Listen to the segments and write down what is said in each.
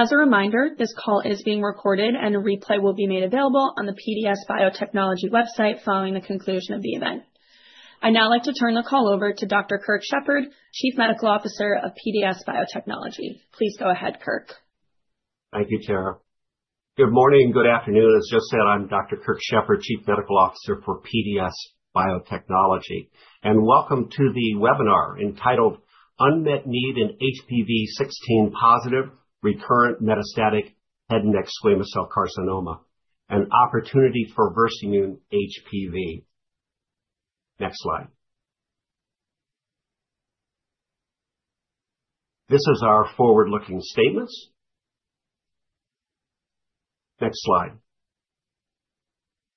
As a reminder, this call is being recorded and a replay will be made available on the PDS Biotechnology website following the conclusion of the event. I'd now like to turn the call over to Dr. Kirk Shepard, Chief Medical Officer of PDS Biotechnology. Please go ahead Kirk. Thank you Tara good morning and good afternoon. As just said, I'm Dr. Kirk Shepard, Chief Medical Officer for PDS Biotechnology and welcome to the webinar entitled Unmet Need in HPV 16 Positive Recurrent Metastatic Head and Neck Squamous Cell Carcinoma an opportunity for Versamune HPV. Next slide. This is our forward looking statements. Next slide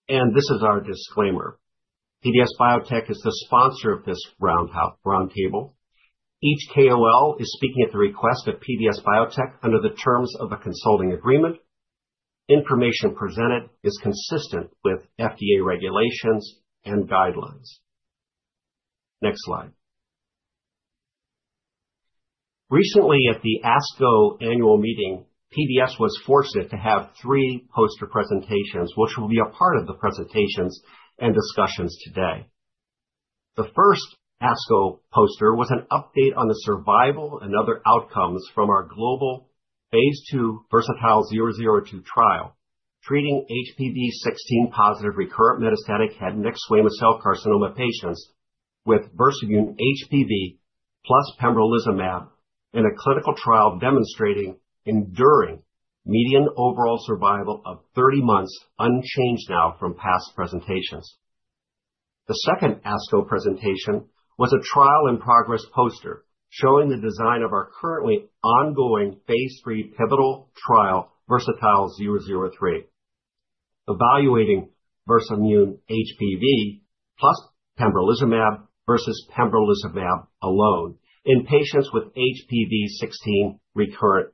and this is our disclaimer. PDS Biotech is the sponsor of this roundtable. Each KOL is speaking at the request of PDS Biotech. Under the terms of the consulting agreement, information presented is consistent with FDA regulations and guidelines. Next slide recently at the ASCO Annual Meeting, PDS was fortunate to have three poster presentations which will be a part of the presentations and discussions today. The first ASCO poster was an update on the survival and other outcomes from our global phase II VERSATILE-002 trial treating HPV 16 positive recurrent metastatic head and neck squamous cell carcinoma patients with Versamune HPV plus pembrolizumab in a clinical trial demonstrating enduring median overall survival of 30 months, unchanged now from past presentations. The second ASCO presentation was a trial in progress poster showing the design of our currently ongoing phase III pivotal trial, VERSATILE-003 evaluating Versamune HPV plus pembrolizumab vs pembrolizumab alone in patients with HPV 16 recurrent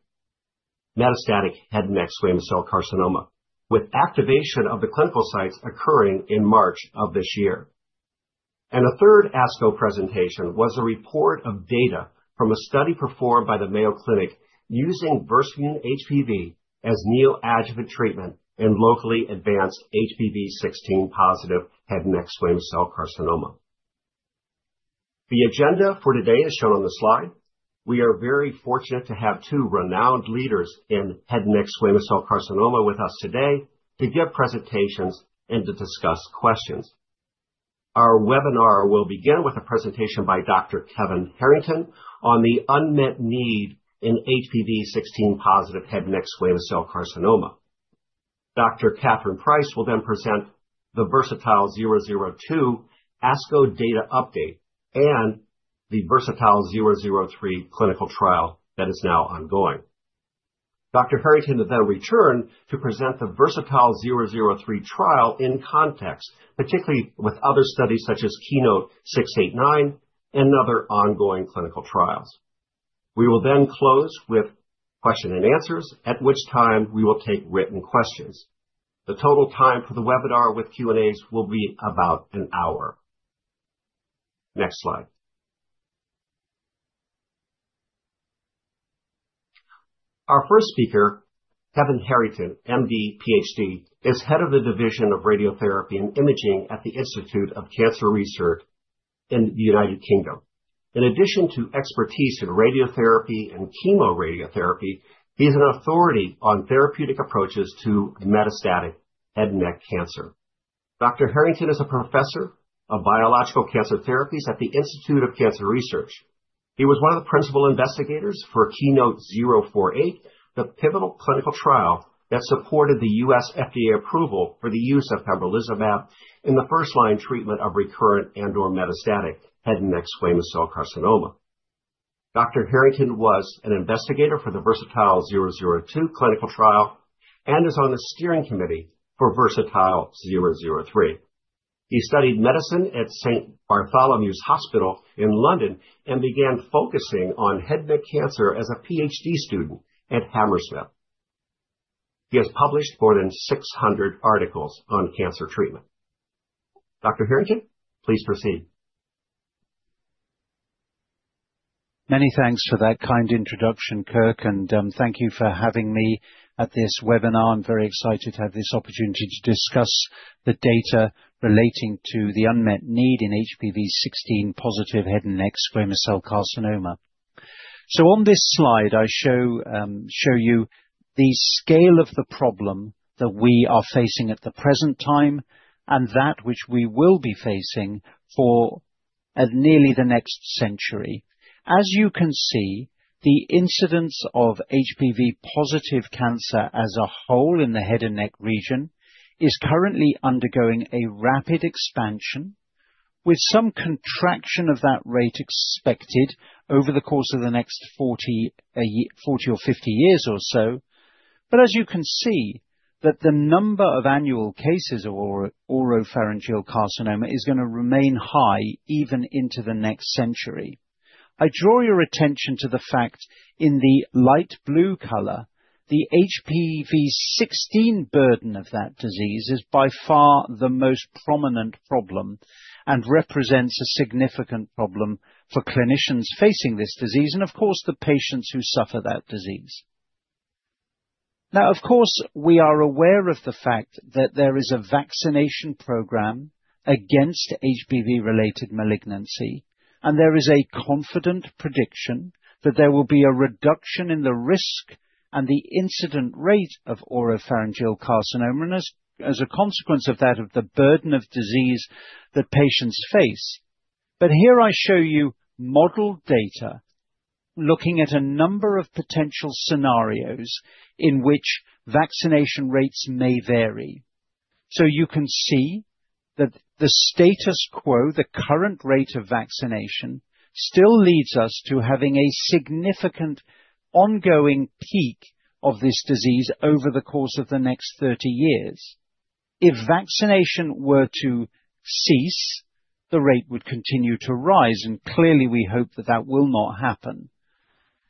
metastatic head and neck squamous cell carcinoma with activation of the clinical sites occurring in March of this year. A third ASCO presentation was a report of data from a study performed by the Mayo Clinic using Versamune HPV as neoadjuvant treatment in locally advanced HPV 16 positive head and neck squamous cell carcinoma. The agenda for today is shown on the slide. We are very fortunate to have two renowned leaders in Head and Neck Squamous Cell Carcinoma with us today to give presentations and to discuss questions. Our webinar will begin with a presentation by Dr. Kevin Harrington on the unmet need in HPV 16 positive head and neck squamous cell carcinoma. Dr. Katharine Price will then present the VERSATILE-002 ASCO data update and the VERSATILE-003 clinical trial that is now ongoing. Dr. Harrington then returned to present the VERSATILE-003 trial in context, particularly with other studies such as KEYNOTE-689 and other ongoing clinical trials. We will then close with question-and-answers, at which time we will take written questions. The total time for the webinar with Q&As will be about an hour. Next slide. Our first speaker, Kevin Harrington, MD, PhD, is Head of the Division of Radiotherapy and Imaging at the Institute of Cancer Research in the United Kingdom. In addition to expertise in Radiotherapy and Chemoradiotherapy, he is an authority on therapeutic approaches to metastatic head and neck cancer. Dr. Harrington is a Professor of Biological Cancer Therapies at the Institute of Cancer Research. He was one of the principal investigators for KEYNOTE-048, the pivotal clinical trial that supported the U.S. FDA approval for the use of pembrolizumab in the first line treatment of recurrent and/or metastatic head and neck squamous cell carcinoma. Dr. Harrington was an investigator for the VERSATILE-002 clinical trial and is on the steering committee for VERSATILE-003. He studied medicine at St Bartholomew's Hospital in London and began focusing on head and neck cancer as a PhD student at Hammersmith. He has published more than 600 articles on cancer treatment. Dr. Harrington, please proceed. Many thanks for that kind introduction, Kirk, and thank you for having me at this webinar. I'm very excited to have this opportunity to discuss the data relating to the unmet need in HPV 16 Positive Head and Neck Squamous Cell Carcinoma. On this slide I show you the scale of the problem that we are facing at the present time, and that which we will be facing for nearly the next century. As you can see, the incidence of HPV positive cancer as a whole in the head and neck region is currently undergoing a rapid expansion with some contraction of that rate expected over the course of the next 40 or 50 years or so. As you can see, the number of annual cases of oropharyngeal carcinoma is going to remain high even into the next century. I draw your attention to the fact in the light blue color. The HPV 16 burden of that disease is by far the most prominent problem and represents a significant problem for clinicians facing this disease and of course the patients who suffer that disease. Now of course we are aware of the fact that there is a vaccination program against HPV-related malignancy and there is a confident prediction that there will be a reduction in the risk and the incident rate of oropharyngeal carcinoma as a consequence of that of the burden of disease that patients face. Here I show you modeled data looking at a number of potential scenarios in which vaccination rates may vary. You can see that the status quo, the current rate of vaccination, still leads us to having a significant ongoing peak of this disease over the course of the next 30 years. If vaccination were to cease, the rate would continue to rise and clearly we hope that that will not happen.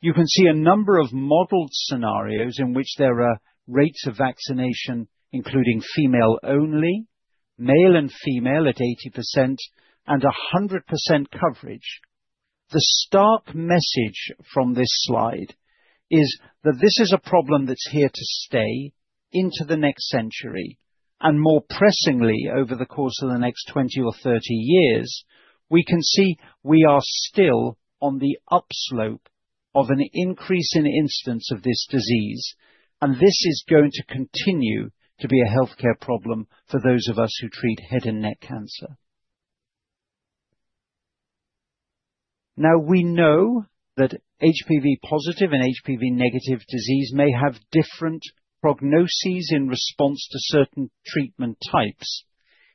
You can see a number of modelled scenarios in which there are rates of vaccination, including female only, male and female at 80% and 100% coverage. The stark message from this slide is that this is a problem that's here to stay into the next century and more pressingly over the course of the next 20 or 30 years. We can see we are still on the upslope of an increase in incidence of this disease and this is going to continue to be a healthcare problem for those of us who treat head and neck cancer. Now, we know that HPV positive and HPV negative disease may have different prognoses in response to certain treatment types.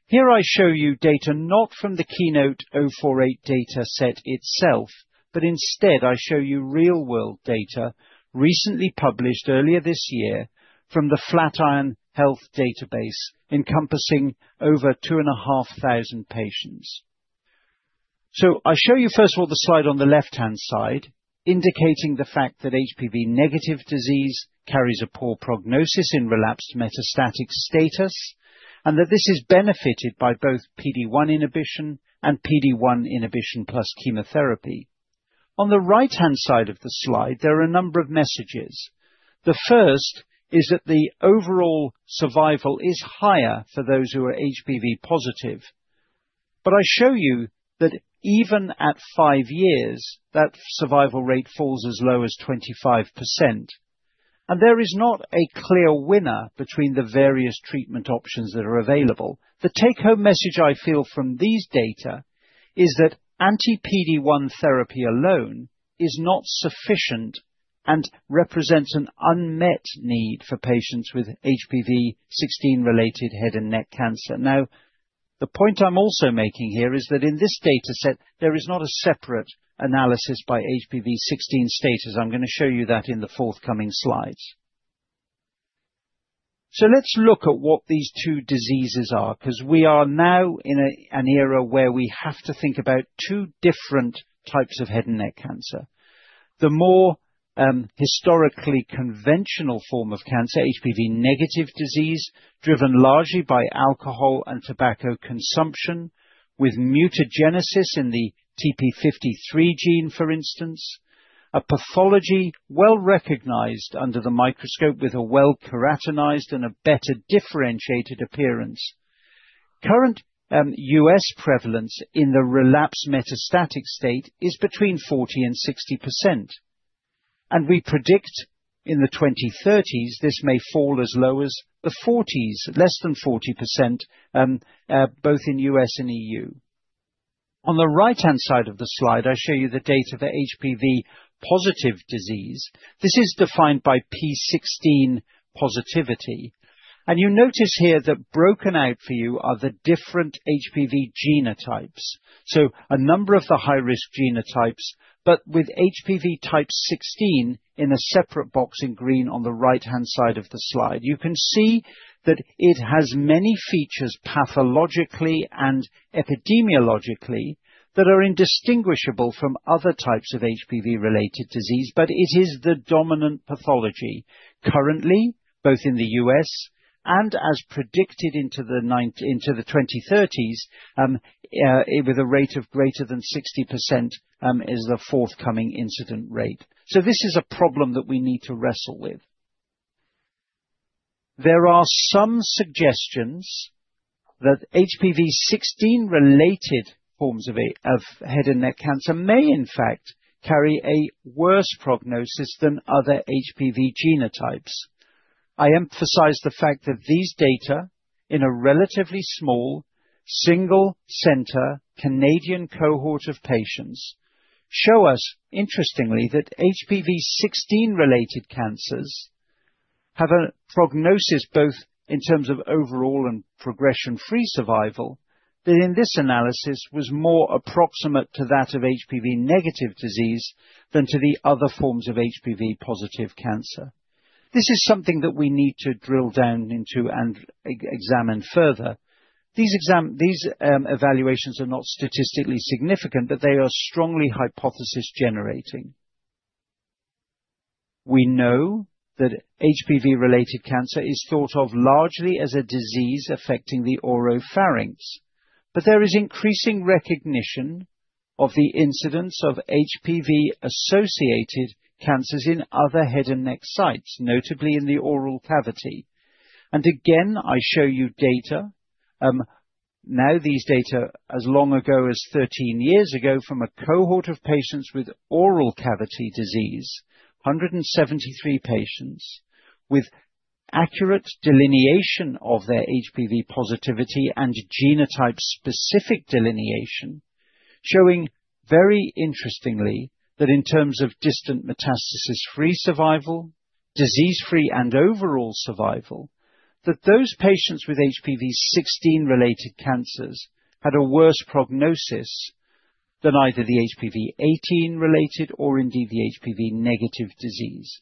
Here I show you data not from the KEYNOTE-048 data set itself, but instead I show you real world data recently published earlier this year from the Flatiron Health database encompassing over 2,500 patients. I'll show you first of all the slide on the left hand side indicating the fact that HPV negative disease carries a poor prognosis in relapsed metastatic status and that this is benefited by both PD-1 inhibition and PD-1 inhibition plus chemotherapy. On the right hand side of the slide there are a number of messages. The first is that the overall survival is higher for those who are HPV positive. I show you that even at five years that survival rate falls as low as 25% and there is not a clear winner between the various treatment options that are available. The take home message I feel from these data is that anti-PD-1 therapy alone is not sufficient and represents an unmet need for patients with HPV 16 related head and neck cancer. Now the point I'm also making here is that in this data set there is not a separate analysis by HPV 16 status. I'm going to show you that in the forthcoming slides. Let's look at what these two diseases are because we are now in an era where we have to think about two different types of head and neck cancer. The more historically conventional form of cancer, HPV negative disease driven largely by alcohol and tobacco consumption, with mutagenesis in the TP53 gene for instance, a pathology well recognized under the microscope with a well keratinized and a better differentiated appearance. Current U.S. prevalence in the relapsed metastatic state is between 40% and 60% and we predict in the 2030s this may fall as low as the 40%s, less than 40% both in the U.S. and EU. On the right hand side of the slide I show you the data for HPV positive disease. This is defined by P16 positivity and you notice here that broken out for you are the different HPV genotypes, so a number of the high risk genotypes, but with HPV type 16 in a separate box in green on the right hand side of the slide you can see that it has many features pathologically and epidemiologically that are indistinguishable from other types of HPV related disease. It is the dominant pathology currently both in the U.S. and as predicted into the 2030s with a rate of greater than 60% is the forthcoming incident rate. This is a problem that we need to wrestle with. There are some suggestions that HPV 16 related forms of head and neck cancer may in fact carry a worse prognosis than other HPV genotypes. I emphasize the fact that these data in a relatively small single center Canadian cohort of patients show us, interestingly, that HPV 16-related cancers have a prognosis both in terms of overall and progression free survival that in this analysis was more approximate to that of HPV negative disease than to the other forms of HPV positive cancer. This is something that we need to drill down into and examine further. These evaluations are not statistically significant, but they are strongly hypothesis generating. We know that HPV-related cancer is thought of largely as a disease affecting the oropharynx, but there is increasing recognition of the incidence of HPV associated with cancers in other head and neck sites, notably in the oral cavity. I show you data now. These data, as long ago as 13 years ago, from a cohort of patients with oral cavity disease, 173 patients with accurate delineation of their HPV positivity and genotype-specific delineation, showing very interestingly that in terms of distant metastasis-free survival, disease-free and overall survival, those patients with HPV 16-related cancers had a worse prognosis than either the HPV 18-related or indeed the HPV-negative disease.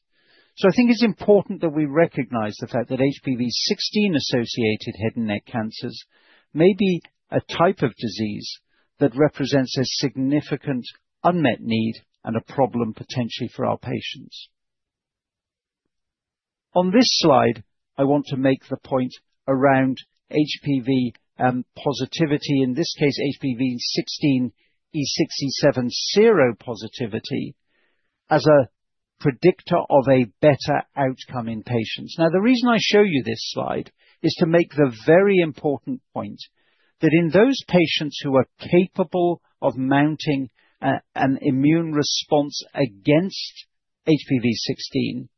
I think it is important that we recognize the fact that HPV 16-associated head and neck cancers may be a type of disease that represents a significant unmet need and a problem potentially for our patients. On this slide, I want to make the point around HPV positivity, in this case HPV 16 E6/7 seropositivity, as a predictor of a better outcome in patients. Now, the reason I show you this slide is to make the very important point that in those patients who are capable of mounting an immune response against HPV 16,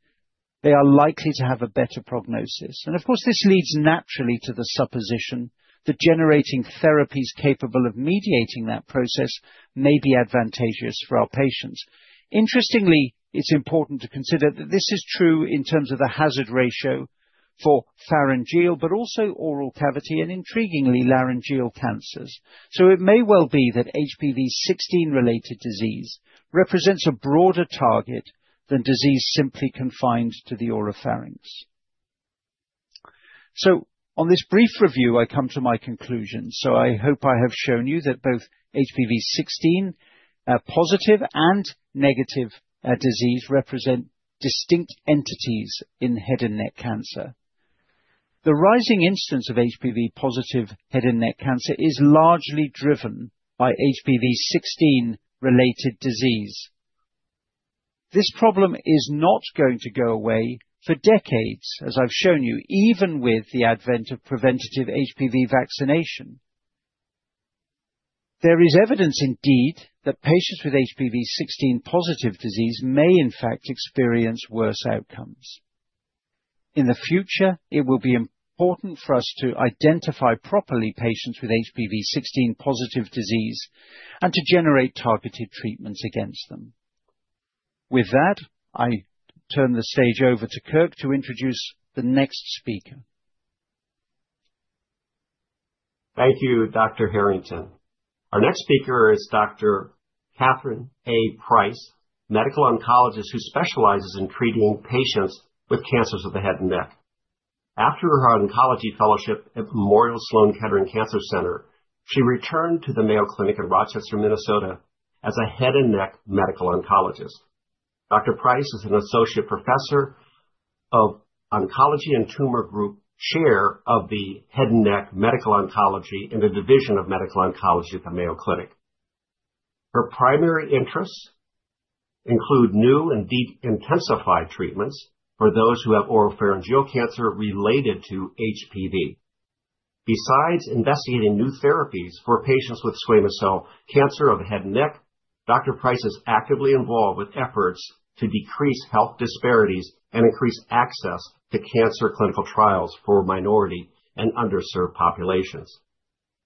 they are likely to have a better prognosis. Of course, this leads naturally to the supposition that generating therapies capable of mediating that process may be advantageous for our patients. Interestingly, it's important to consider that this is true in terms of the hazard ratio for pharyngeal but also oral cavity and, intriguingly, laryngeal cancers. It may well be that HPV 16 related disease represents a broader target than disease simply confined to the oropharynx. On this brief review I come to my conclusion. I hope I have shown you that both HPV 16 positive and negative disease represent distinct entities in head and neck cancer. The rising instance of HPV positive head and neck cancer is largely driven by HPV 16 related disease. This problem is not going to go away for decades. As I've shown you. Even with the advent of preventative HPV vaccination, there is evidence indeed that patients with HPV 16 positive disease may in fact experience worse outcomes. In the future, it will be important for us to identify properly patients with HPV 16 positive disease and to generate targeted treatments against them. With that, I turn the stage over to Kirk to introduce the next speaker. Thank you, Dr. Harrington. Our next speaker is Dr. Katharine A. Price, Medical Oncologist who specializes in treating patients with cancers of the head and neck. After her oncology fellowship at Memorial Sloan Kettering Cancer Center, she returned to the Mayo Clinic in Rochester, Minnesota as a Head and Neck Medical Oncologist. Dr. Price is an Associate Professor of Oncology and Tumor Group Chair of the Head and Neck Medical Oncology in the Division of Medical Oncology at the Mayo Clinic. Her primary interests include new and de-intensified treatments for those who have oropharyngeal cancer related to HPV. Besides investigating new therapies for patients with squamous cell cancer of the head and neck, Dr. Price is actively involved with efforts to decrease health disparities and increase access to cancer clinical trials for minority and underserved populations.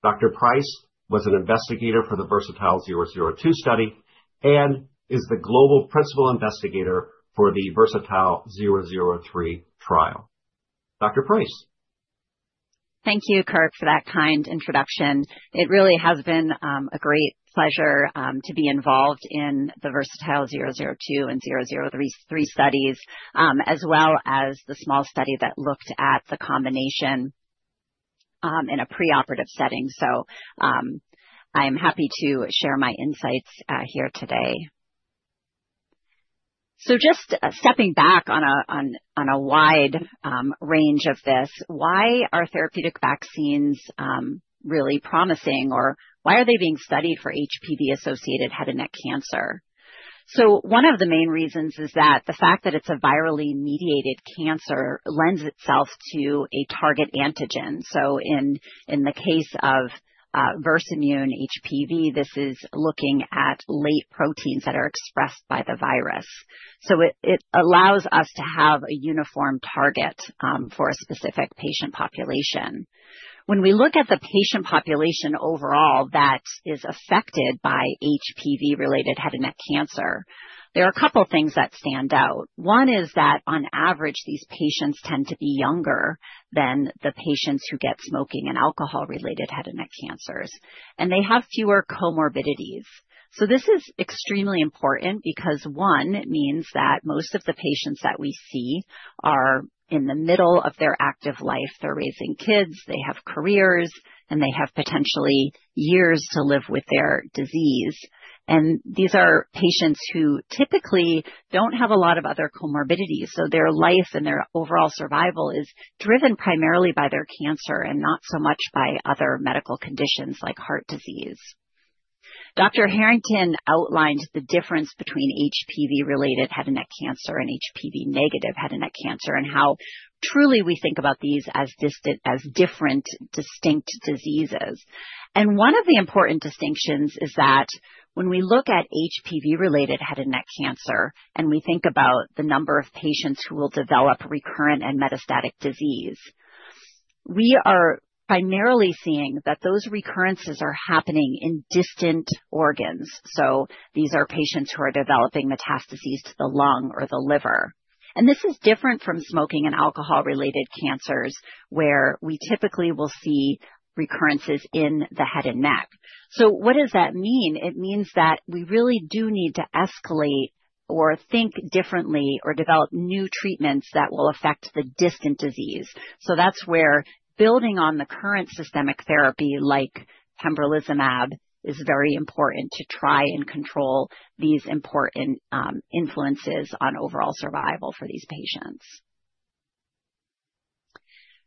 Dr. Price was an investigator for the VERSATILE-002 study and is the global principal investigator for the VERSATILE-003 trial. Dr. Price. Thank you, Kirk, for that kind introduction. It really has been a great session. Pleasure to be involved in the VERSATILE-002 and VERSATILE-003 studies, as well as the small study that looked at the combination in a preoperative setting. I am happy to share my insights here today. Just stepping back on a wide range of this. Why are therapeutic vaccines really promising or why are they being studied for HPV-associated head and neck cancer? One of the main reasons is that the fact that it is a virally mediated cancer lends itself to a target antigen. In the case of Versamune HPV, this is looking at late proteins that are expressed by the virus. It allows us to have a uniform target for a specific patient population. When we look at the patient population overall that is affected by HPV related head and neck cancer, there are a couple things that stand out. One is that on average, these patients tend to be younger than the patients who get smoking and alcohol related head and neck cancers and they have fewer comorbidities. This is extremely important because one, it means that most of the patients that we see are in the middle of their active life, they're raising kids, they have careers, and they have potentially years to live with their disease. These are patients who typically don't have a lot of other comorbidities. Their life and their overall survival is driven primarily by their cancer and not so much by other medical conditions like heart disease. Dr.Harrington outlined the difference between HPV-related head and neck cancer and HPV-negative head and neck cancer and how, truly, we think about these as different, distinct diseases. One of the important distinctions is that when we look at HPV-related head and neck cancer and we think about the number of patients who will develop recurrent and metastatic disease, we are primarily seeing that those recurrences are happening in distant organs. These are patients who are developing metastases to the lung or the liver. This is different from smoking and alcohol-related cancers where we typically will see recurrences in the head and neck. What does that mean? It means that we really do need to escalate or think differently or develop new treatments that will affect the distant disease. That's where building on the current systemic therapy like pembrolizumab is very important to try and control these important influences on overall survival for these patients.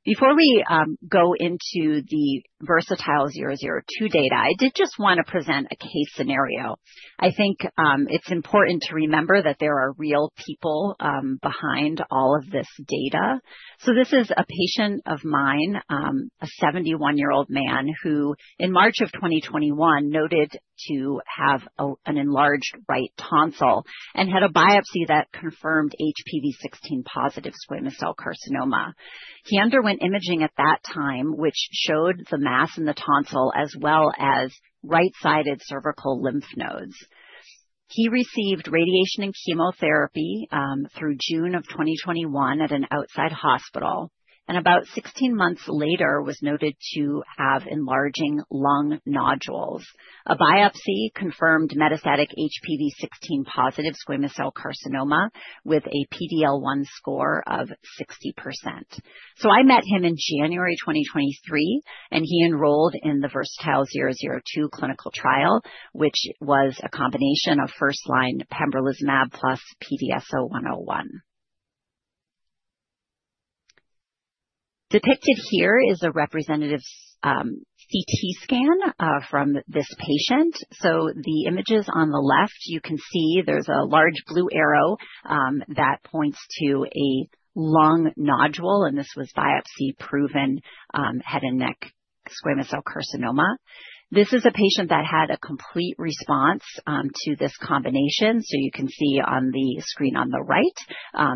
Before we go into the VERSATILE-002 data, I did just want to present a case scenario. I think it's important to remember that there are real people behind all of this data. This is a patient of mine, a 71-year-old man who in March of 2021 was noted to have an enlarged right tonsil and had a biopsy that confirmed HPV 16 positive squamous cell carcinoma. He underwent imaging at that time which showed the mass in the tonsil as well as right-sided cervical lymph nodes. He received radiation and chemotherapy through June of 2021 at an outside hospital and about 16 months later was noted to have enlarging lung nodules. A biopsy confirmed metastatic HPV 16 positive squamous cell carcinoma with a PD-L1 score of 60%. I met him in January 2020 and he enrolled in the VERSATILE-002 clinical trial, which was a combination of first line pembrolizumab plus PDS0101. Depicted here is a representative CT scan from this patient. The images on the left, you can see there's a large blue arrow that points to a lung nodule. This was biopsy-proven head and neck squamous cell carcinoma. This is a patient that had a complete response to this combination. You can see on the screen on the right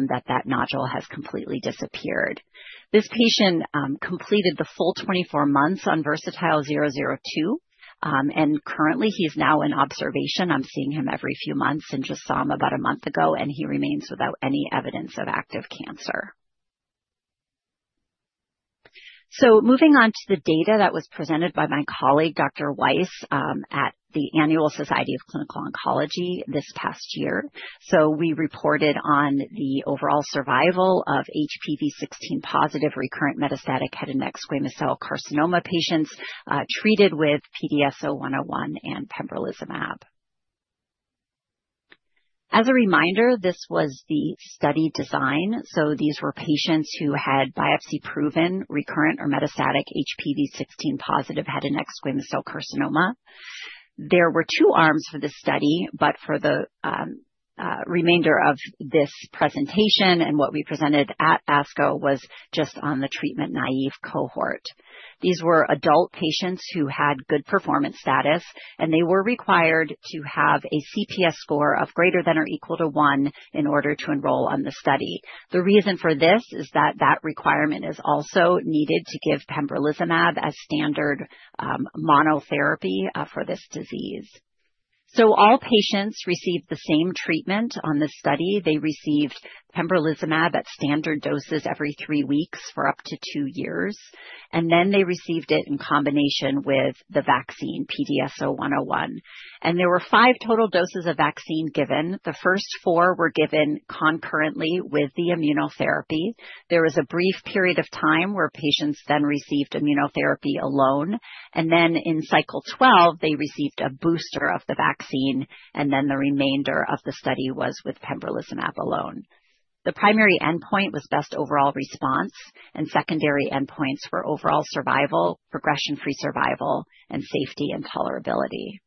that that nodule has completely disappeared. This patient completed the full 24 months on VERSATILE-002 and currently he's now in observation. I'm seeing him every few months and just saw him about a month ago and he remains without any evidence of active cancer. Moving on to the data that was presented by my colleague Dr. Weiss at the American Society of Clinical Oncology this past year. We reported on the Overall Survival of HPV 16 positive recurrent metastatic head and neck squamous cell carcinoma patients treated with PDS0101 and pembrolizumab. As a reminder, this was the study design. These were patients who had biopsy proven recurrent or metastatic HPV 16 positive head and neck squamous cell carcinoma. There were two arms for this study. For the remainder of this presentation and what we presented at ASCO was just on the treatment naive cohort. These were adult patients who had good performance status and they were required to have a CPS score of greater than or equal to one to enroll on the study. The reason for this is that requirement is also needed to give pembrolizumab as standard monotherapy for this disease. All patients received the same treatment on this study. They received pembrolizumab at standard doses every three weeks for up to two years and then they received it in combination with the vaccine PDS0101 and there were five total doses of vaccine given. The first four were given concurrently with the immunotherapy. There was a brief period of time where patients then received immunotherapy alone and in cycle 12 they received a booster of the vaccine and the remainder of the study was with pembrolizumab alone. The primary endpoint was best overall response and secondary endpoints were overall survival, progression free survival, and safety and tolerability.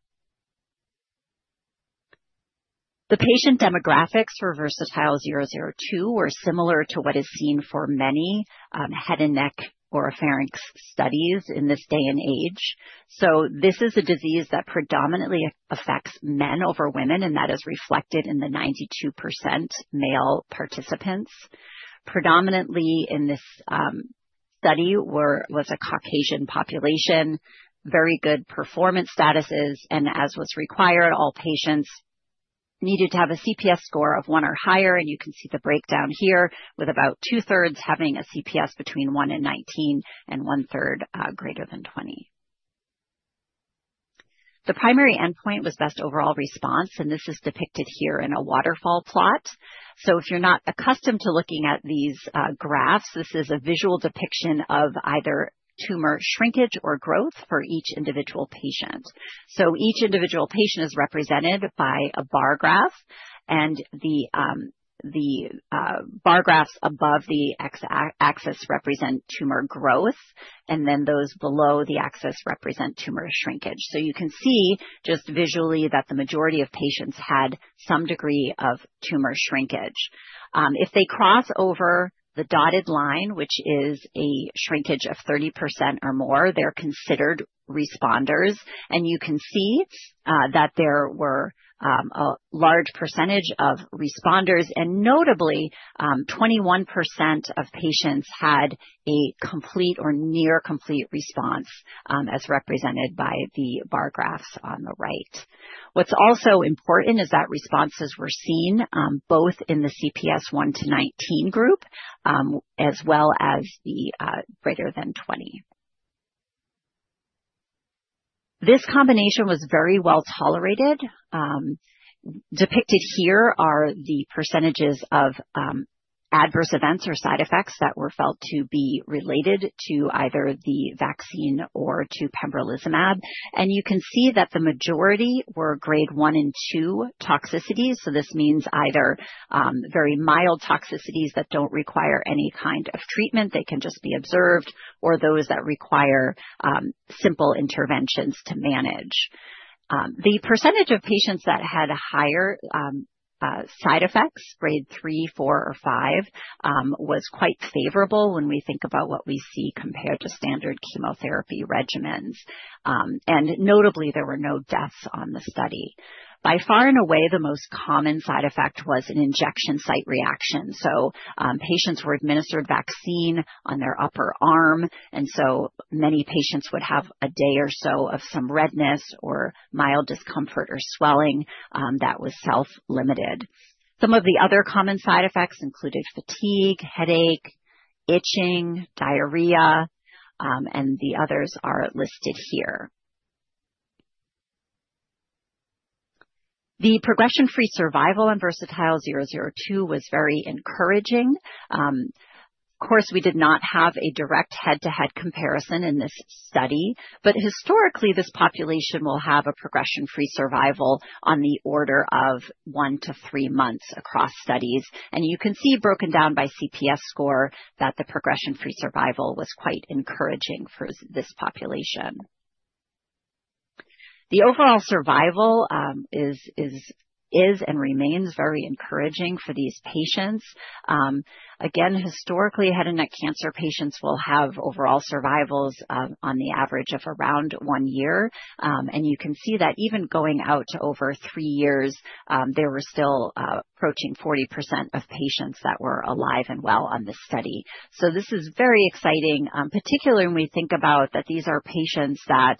The patient demographics for VERSATILE-002 were similar to what is seen for many head and neck oropharynx studies in this day and age. This is a disease that predominantly affects men over women and that is reflected in the 92% male participants. Predominantly in this study was a Caucasian population, very good performance statuses, and as was required, all patients needed to have a CPS score of one or higher. You can see the breakdown here with about two-thirds having a CPS between one and 19 and one-third greater than 20. The primary endpoint was best overall response. This is depicted here in a waterfall plot. If you're not accustomed to looking at these graphs, this is a visual depiction of either tumor shrinkage or growth for each individual patient. Each individual patient is represented by a bar graph, and the bar graphs above the X-axis represent tumor growth, and those below the axis represent tumor shrinkage. You can see just visually that the majority of patients had some degree of tumor shrinkage. If they cross over the dotted line, which is a shrinkage of 30% or more, they're considered responders. You can see that there were a large percentage of responders, and notably 21% of patients had a complete or near complete response as represented by the bar graphs on the right. What's also important is that responses were seen both in the CPS one to 19 group as well as the greater than 20. This combination was very well tolerated. Depicted here are the percentages of adverse events or side effects that were felt to be related to either the vaccine or to pembrolizumab. You can see that the majority were grade one and two toxicities. This means either very mild toxicities that do not require any kind of treatment, they can just be observed, or those that require simple interventions to manage. The percentage of patients that had higher side effects, grade 3, 4 or 5, was quite favorable when we think about what we see compared to standard chemotherapy regimens. Notably, there were no deaths on the study. By far and away the most common side effect was an injection site reaction. Patients were administered vaccine on their upper arm. Many patients would have a day or so of some redness or mild discomfort or swelling that was self-limited. Some of the other common side effects included fatigue, headache, itching, diarrhea, and the others are listed here. The progression free survival in VERSATILE-002 was very encouraging. Of course, we did not have a direct head-to-head comparison in this study. Historically, this population will have a progression free survival on the order of one to three months across studies. You can see, broken down by CPS score, that the progression free survival was quite encouraging for this population. The overall survival is and remains very encouraging for these patients. Historically, head and neck cancer patients will have overall survivals on the average of around one year. You can see that even going out to over three years, there were still approaching 40% of patients that were alive and well on this study. This is very exciting, particularly when we think about that. These are patients that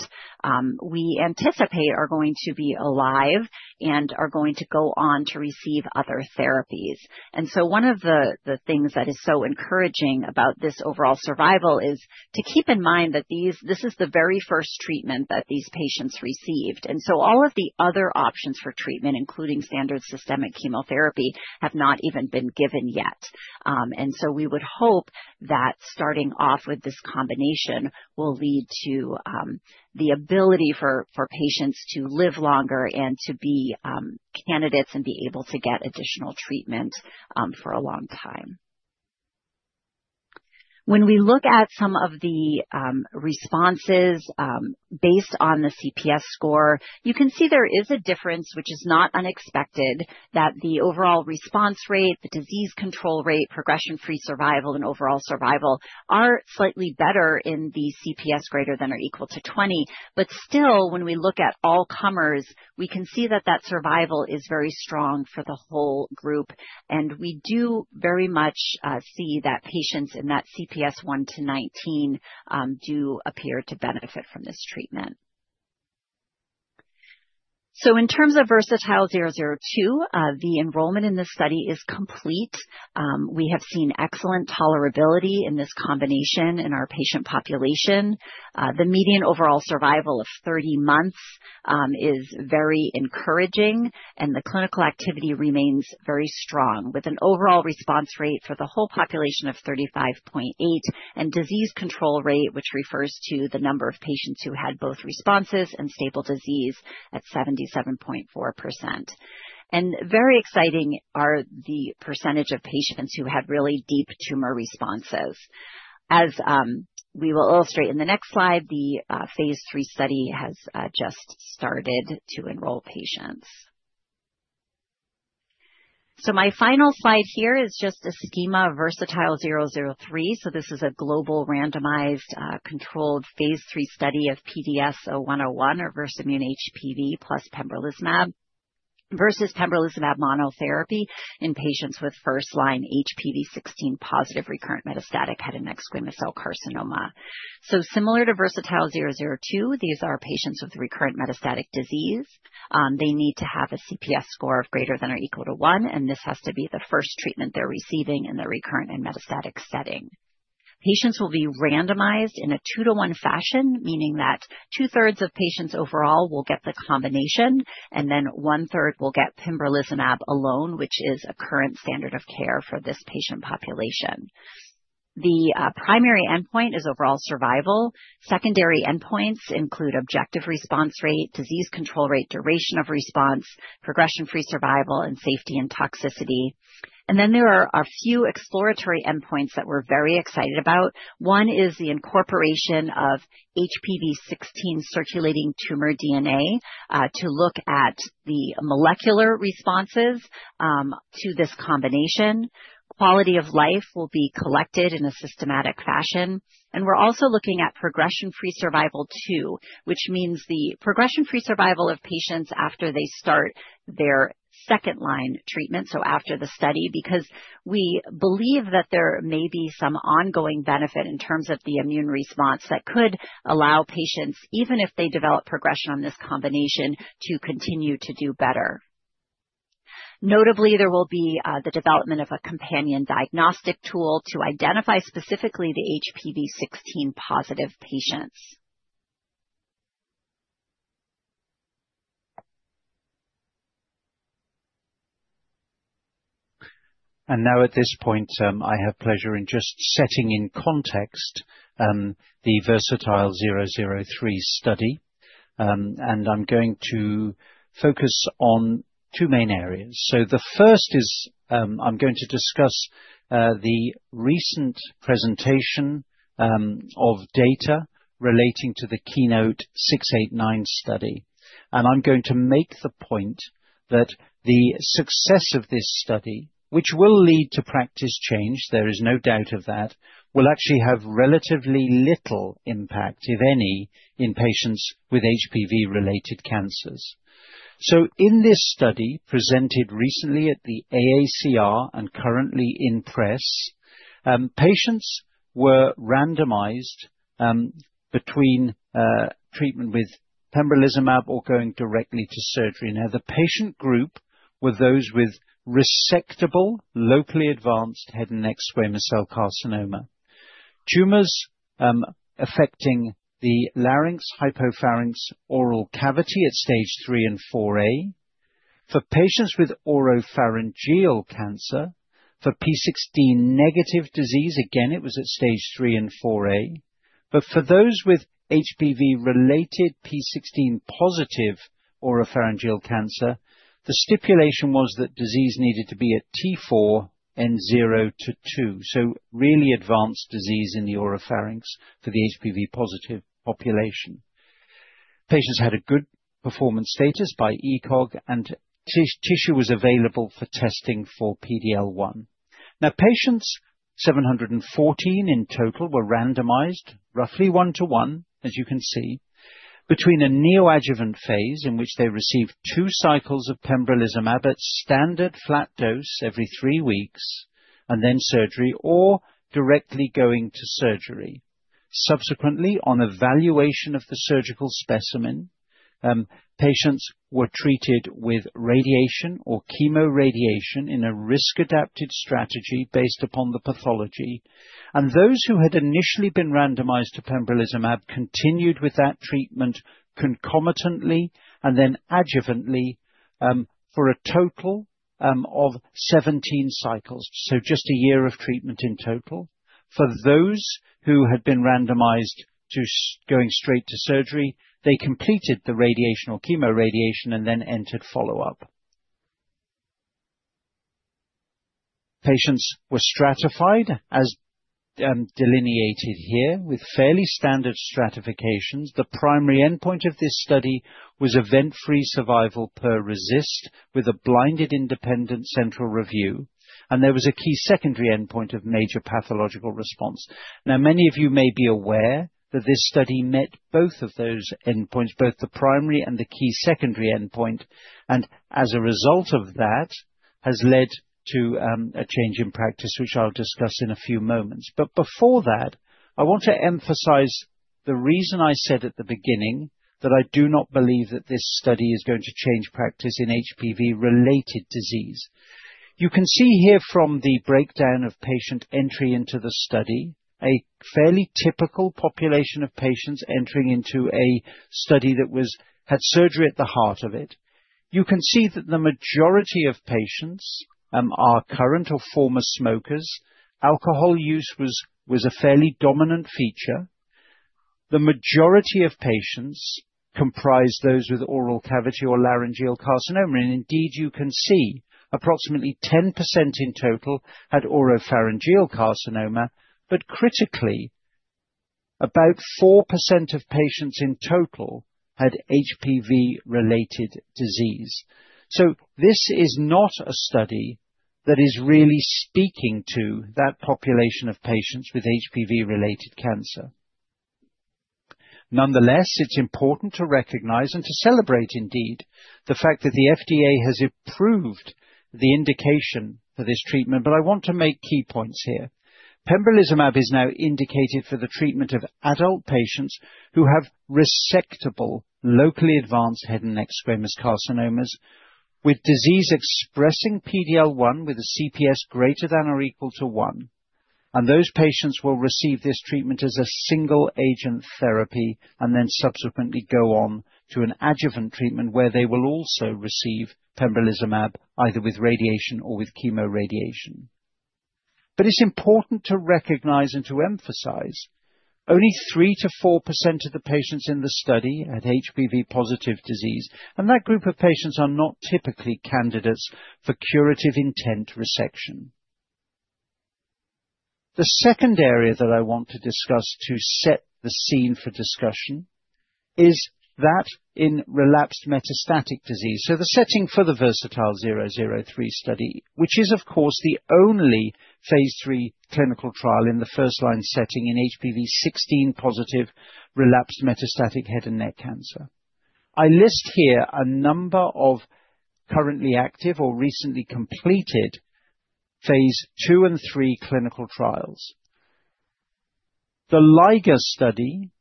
we anticipate are going to be alive and are going to go on to receive other therapies. One of the things that is so encouraging about this overall survival is to keep in mind that this is the very first treatment that these patients received. All of the other options for treatment, including standard systemic chemotherapy, have not even been given yet. We would hope that starting off with this combination will lead to the ability for patients to live longer and to be candidates and be able to get additional treatment for a long time. When we look at some of the responses based on the CPS score, you can see there is a difference which is not unexpected that the overall response rate, the disease control rate, progression free survival, and overall survival are slightly better in the CPS greater than or equal to 20. Still, when we look at all comers, we can see that survival is very strong for the whole group. We do very much see that patients in that CPS one to 19 do appear to benefit from this treatment. In terms of VERSATILE-002, the enrollment in this study is complete. We have seen excellent tolerability in this combination in our patient population. The median overall survival of 30 months is very encouraging and the clinical activity remains very strong with an overall response rate for the whole population of 35.8%. Disease control rate, which refers to the number of patients who had both responses and stable disease, was 77.4%. Very exciting are the percentage of patients who had really deep tumor responses. As we will illustrate in the next slide, the phase III study has just started to enroll patients. My final slide here is just a schema of VERSATILE-003. This is a global, randomized, controlled phase III study of PDS0101 or Versamune HPV plus pembrolizumab versus pembrolizumab monotherapy in patients with first line HPV 16 positive recurrent metastatic head and neck squamous cell carcinoma. Similar to VERSATILE-002, these are patients with recurrent metastatic disease. They need to have a CPS score of greater than or equal to one, and this has to be the first treatment they are receiving. In the recurrent and metastatic setting, patients will be randomized in a two to one fashion, meaning that two-thirds of patients overall will get the combination and then one-third will get pembrolizumab alone, which is a current standard of care for this patient population. The primary endpoint is overall survival. Secondary endpoints include objective response rate, disease control rate, duration of response, progression free survival, and safety and toxicity. There are a few exploratory endpoints that we're very excited about. One is the incorporation of HPV 16 circulating tumor DNA to look at the molecular responses to this combination. Quality of life will be collected in a systematic fashion. We're also looking at Progression Free Survival 2, which means the Progression Free Survival of patients after they start their second line treatment. After the study, because we believe that there may be some ongoing benefit in terms of the immune response that could allow patients, even if they develop progression on this combination, to continue to do better. Notably, there will be the development of a companion diagnostic tool to identify specifically the HPV 16 positive patients. At this point I have pleasure in just setting in context the VERSATILE-003 study. I'm going to focus on two main areas. The first is I'm going to discuss the recent presentation of data relating to the KEYNOTE-689 study. I'm going to make the point that the success of this study, which will lead to practice change, there is no doubt of that, will actually have relatively little impact, if any, in patients with HPV-related cancers. In this study, presented recently at the AACR and currently in press, patients were randomized between treatment with pembrolizumab or going directly to surgery. Now, the patient group were those with resectable locally advanced head and neck squamous cell carcinoma tumors affecting the larynx, hypopharynx, oral cavity at stage 3 and 4a. For patients with oropharyngeal cancer, for P16 negative disease, again it was at stage 3 and 4a, but for those with HPV related P16 positive oropharyngeal cancer, the stipulation was that disease needed to be at T4 N0-2, so really advanced disease in the oropharynx. For the HPV positive population, patients had a good performance status by ECOG and tissue was available for testing for PD-L1. Now, patients, 714 in total, were randomized roughly 1-1, as you can see, between a neoadjuvant phase in which they received two cycles of pembrolizumab at standard flat dose every three weeks and then surgery, or directly going to surgery. Subsequently, on evaluation of the surgical specimen, patients were treated with radiation or chemoradiation in a risk-adapted strategy based upon the pathology, and those who had initially been randomized to pembrolizumab continued with that treatment concomitantly and then adjuvantly for a total of 17 cycles. Just a year of treatment in total. For those who had been randomized to going straight to surgery, they completed the radiation or chemoradiation and then entered follow-up. Patients were stratified as delineated here with fairly standard stratifications. The primary endpoint of this study was event free survival per RECIST with a blinded independent central review, and there was a key secondary endpoint of major pathological response. Now many of you may be aware that this study met both of those endpoints, both the primary and the key secondary endpoint, and as a result of that has led to a change in practice which I will discuss in a few moments. Before that I want to emphasize the reason I said at the beginning that I do not believe that this study is going to change practice in HPV related disease. You can see here from the breakdown of patient entry into the study a fairly typical population of patients entering into a study that had surgery. At the heart of it you can see that the majority of patients are current or former smokers. Alcohol use was a fairly dominant feature. The majority of patients comprised those with oral cavity or laryngeal carcinoma and indeed you can see approximately 10% in total had oropharyngeal carcinoma, but critically about 4% of patients in total had HPV related disease. This is not a study that is really speaking to that population of patients with HPV related cancer. Nonetheless, it's important to recognize and to celebrate indeed the fact that the FDA has approved the indication for this treatment. I want to make key points here. Pembrolizumab is now indicated for the treatment of adult patients who have resectable locally advanced head and neck squamous carcinomas with disease expressing PD-L1 with a CPS greater than or equal to one, and those patients will receive this treatment as a single agent therapy and then subsequently go on to an adjuvant treatment where they will also receive pembrolizumab either with radiation or with chemoradiation. It is important to recognize and to emphasize only 3%-4% of the patients in the study had HPV positive disease and that group of patients are not typically candidates for curative intent resection. The second area that I want to discuss to set the scene for discussion is that in relapsed metastatic disease, so the setting for the VERSATILE-003 study, which is of course the only phase III clinical trial in the first line setting in HPV 16 positive relapsed metastatic head and neck cancer. I list here a number of currently active or recently completed phase II and III clinical trials. The LIGA study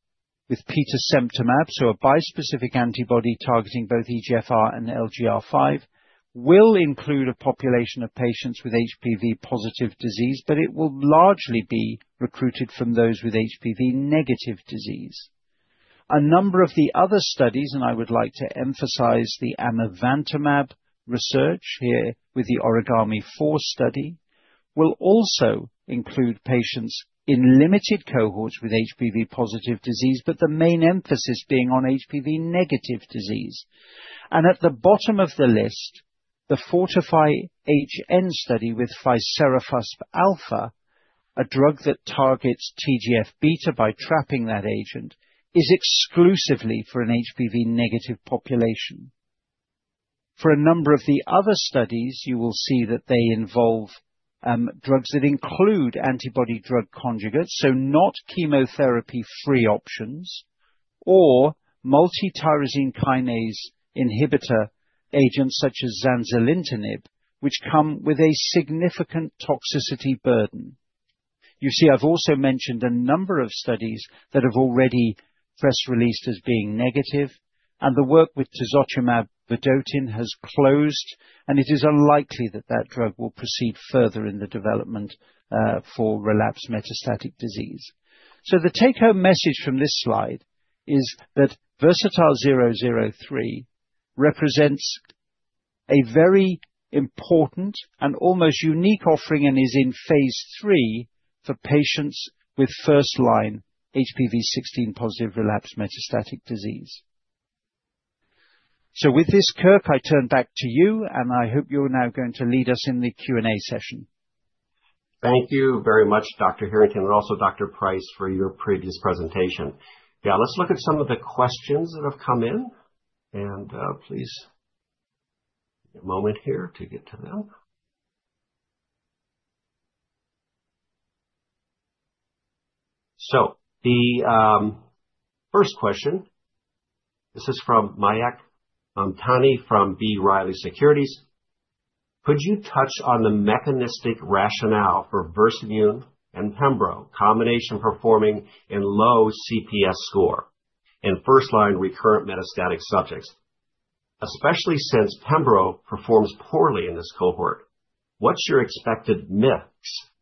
with pitasemtamab, so a bispecific antibody targeting both EGFR and LGR5, will include a population of patients with HPV positive disease, but it will largely be recruited from those with HPV negative disease. A number of the other studies, and I would like to emphasize the amivantamab research here with the OrigAMI-4 study, will also include patients in limited cohorts with HPV positive disease, but the main emphasis being on HPV negative disease. At the bottom of the list, the Fortify HN study with ficerafusp alfa, a drug that targets TGF beta by trapping that agent, is exclusively for an HPV negative population. For a number of the other studies, you will see that they involve drugs that include antibody drug conjugates, so not chemotherapy-free options, or multityrosine kinase inhibitor agents such as Zanzalintinib, which come with a significant toxicity burden. You see, I've also mentioned a number of studies that have already press released as being negative, and the work with tisotumab vedotin has closed, and it is unlikely that that drug will proceed further in the development for relapsed metastatic disease. The take home message from this slide is that VERSATILE-003 represents a very important and almost unique offering and is in phase III for patients with first line HPV 16 positive relapsed metastatic disease. With this, Kirk, I turn back to you, and I hope you're now going to lead us in the Q&A session. Thank you very much, Dr. Harrington, and also Dr. Price, for your previous presentation. Now let's look at some of the questions that have come in, and please, moment here to get to them. The first question, this is from Mayank Mamtani from B. Riley Securities. Could you touch on the mechanistic rationale for Versamune and pembro combination performing in low CPS score in first line recurrent metastatic subjects, especially since pembro performs poorly in this cohort? What's your expected mix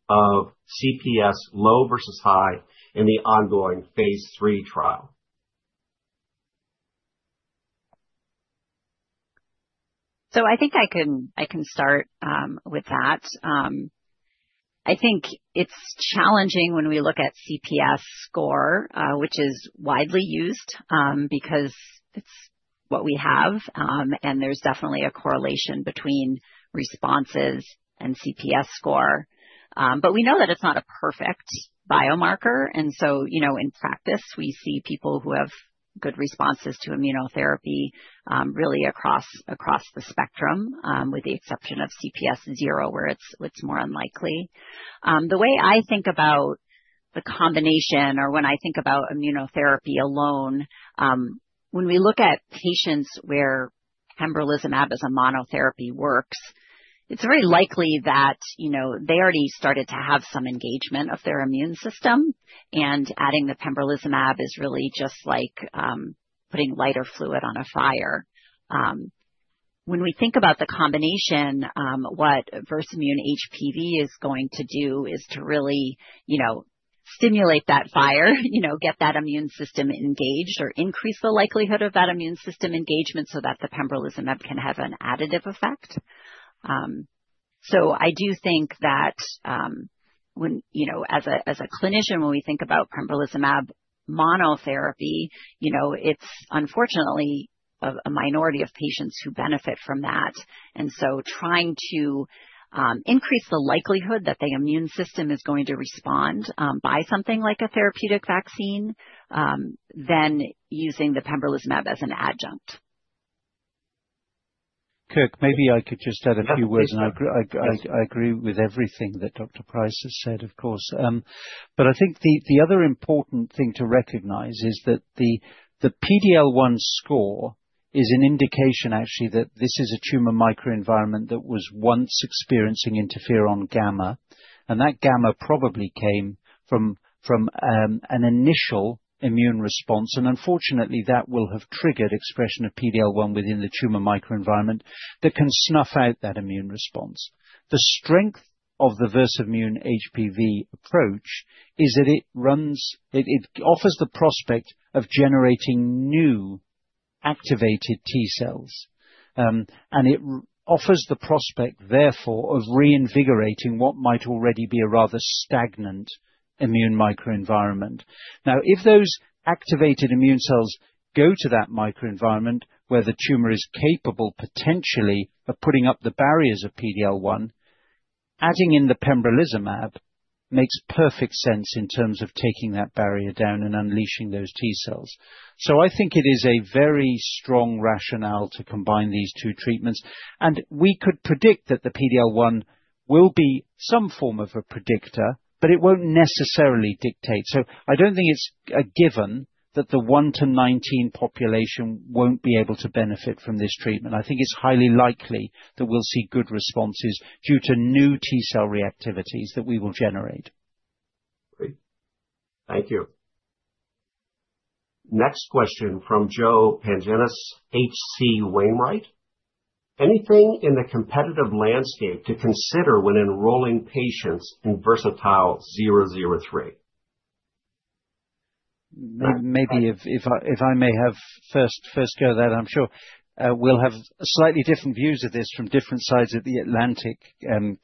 of CPS low versus high in the ongoing phase III trial? I think I can start with that. I think it's challenging when we look at CPS score, which is widely used because it's what we have, and there's definitely a correlation between responses and CPS score, but we know that it's not a perfect biomarker. In practice, we see people who have good responses to immunotherapy, really across the spectrum, with the exception of CPS zero, where it's more unlikely. The way I think about the combination or when I think about immunotherapy alone, when we look at patients where pembrolizumab as a monotherapy works, it's very likely that they already started to have some engagement of their immune system. Adding the pembrolizumab is really just like putting lighter fluid on a fire. When we think about the combination, what Versamune HPV is going to do is to really stimulate that fire, get that immune system engaged, or increase the likelihood of that immune system engagement so that the pembrolizumab can have an additive effect. I do think that as a clinician, when we think about pembrolizumab monotherapy, you know, it's unfortunately a minority of patients who benefit from that. Trying to increase the likelihood that the immune system is going to respond by something like a therapeutic vaccine, then using the pembrolizumab as an adjunct. Kirk, maybe I could just add a few words. I agree with everything that Dr. Price has said, of course. I think the other important thing to recognize is that the PD-L1 score is an indication actually that this is a tumor microenvironment that was once experiencing interferon gamma, and that gamma probably came from an initial immune response. Unfortunately, that will have triggered expression of PD-L1 within the tumor microenvironment that can snuff out that immune response. The strength of the Versamune HPV approach is that it offers the prospect of generating new activated T-cells, and it offers the prospect therefore of reinvigorating what might already be a rather stagnant immune microenvironment. Now, if those activated immune cells go to that microenvironment, where the tumor is capable potentially of putting up the barriers of PD-L1, adding in the pembrolizumab makes perfect sense in terms of taking that barrier down and unleashing those T-cells. I think it is a very strong rationale to combine these two treatments. We could predict that the PD-L1 will be some form of a predictor, but it will not necessarily dictate. I do not think it is a given that the one to 19 population will not be able to benefit from this treatment. I think it is highly likely that we will see good responses due to new T-cell reactivities that we will generate. Great, thank you. Next question from Joe Pantginis, H.C. Wainwright. Anything in the competitive landscape to consider when enrolling patients in VERSATILE-003? Maybe, if I may have first go at that, I'm sure we'll have slightly different views of this from different sides of the Atlantic,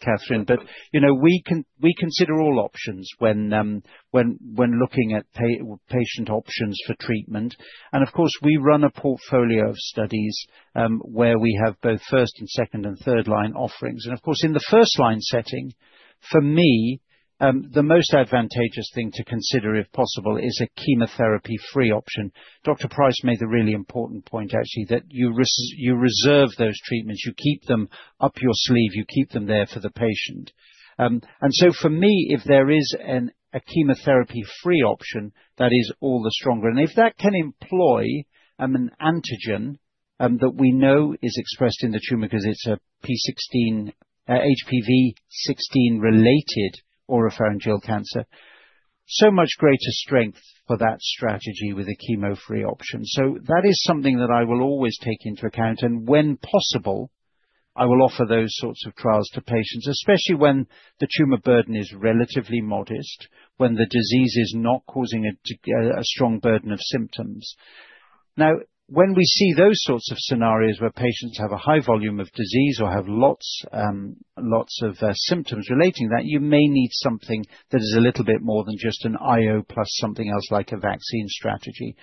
Katharine, but we consider all options when looking at patient options for treatment. Of course we run a portfolio of studies where we have both first and second and third line offerings. Of course in the first line setting, for me the most advantageous thing to consider if possible is a chemotherapy free option. Dr. Price made the really important point actually that you reserve those treatments, you keep them up your sleeve, you keep them there for the patient. For me, if there is a chemotherapy free option that is all the stronger and if that can employ an antigen that we know is expressed in the tumor because it's a HPV 16 related oropharyngeal cancer, so much greater strength for that strategy with a chemo free option. That is something that I will always take into account and when possible I will offer those sorts of trials to patients, especially when the tumor burden is relatively modest, when the disease is not causing a strong burden of symptoms. Now when we see those sorts of scenarios where patients have a high volume of disease or have lots of symptoms, relating that you may need something that is a little bit more than just an IO plus something else like a vaccine strategy,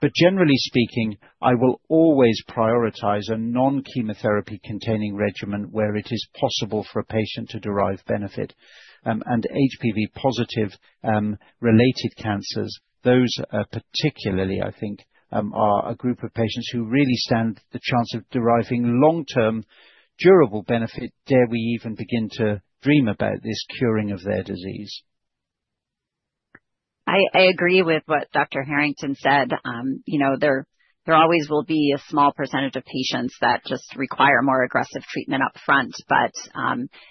but generally speaking, I will always prioritize a non-chemotherapy containing regimen where it is possible for a patient to derive benefit and HPV positive related cancers. Those particularly I think are a group of patients who really stand the chance of deriving long term durable benefit. Dare we even begin to dream about this curing of their disease? I agree with what Dr. Harrington said. There always will be a small percentage of patients that just require more aggressive treatment up front.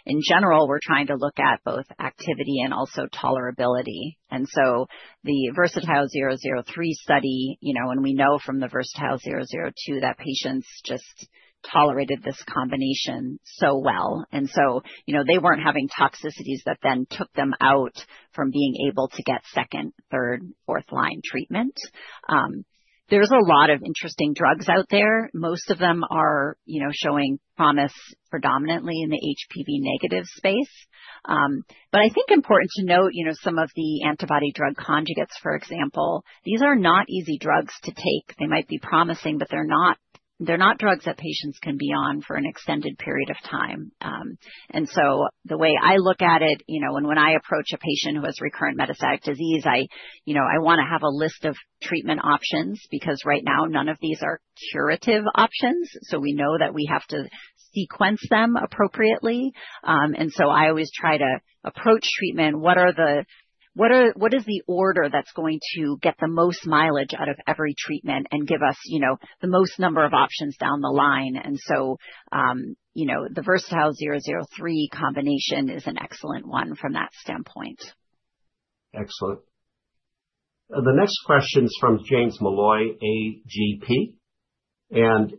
In general we're trying to look at both activity and also tolerability. The VERSATILE-003 study, and we know from the VERSATILE-002 that patients just tolerated this combination so well. You know, they weren't having toxicities that then took them out from being able to get second, third, fourth line treatment. There's a lot of interesting drugs out there. Most of them are, you know, showing promise predominantly in the HPV negative space. I think important to note, you know, some of the antibody drug conjugates, for example, these are not easy drugs to take. They might be promising, but they're not drugs that patients can be on for an extended period of time. The way I look at it, you know, and when I approach a patient who has recurrent metastatic disease, I, you know, I want to have a list of treatment options because right now none of these are curative options. We know that we have to sequence them appropriately. I always try to approach treatment. What is the order that's going to get the most mileage out of every treatment and give us the most number of options down the line? The VERSATILE-003 combination is an excellent one from that standpoint. Excellent. The next question is from James Molloy, AGP, and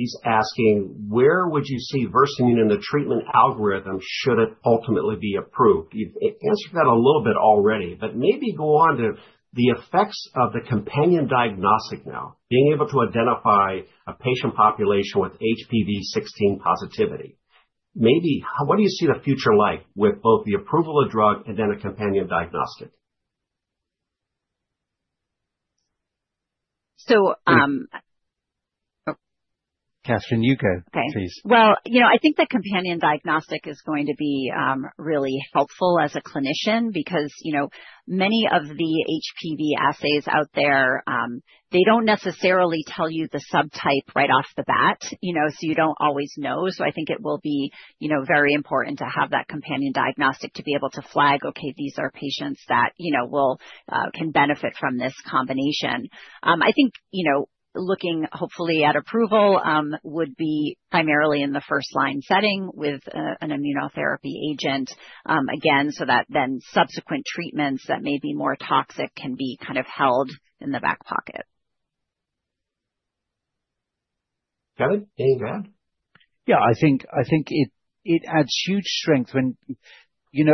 he's asking where would you see Versamune in the treatment algorithm should it ultimately be approved? You've answered that a little bit already, but maybe go on to the effects of the companion diagnostic. Now being able to identify a patient population with HPV 16 positivity, maybe what do you see the future like with both the approval of drug and then a companion diagnostic. So. Katharine, you go please. I think that companion diagnostic is going to be really helpful as a clinician because, you know, many of the HPV assays out there, they do not necessarily tell you the subtype right off the bat, you know, so you do not always know. I think it will be very important to have that companion diagnostic to be able to flag. Okay. These are patients that, you know, can benefit from this combination. I think looking hopefully at approval would be primarily in the first line setting with an immunotherapy agent again, so that then subsequent treatments that may be more toxic can be kind of held in the back pocket. Kevin, anything to add? Yeah, I think it adds huge strength when